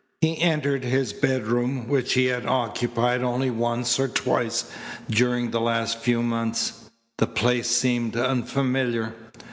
He entered his bedroom which he had occupied only once or twice during the last few months. The place seemed unfamiliar.